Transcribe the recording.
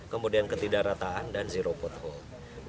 kemudian ketidakrataan dan zero pothole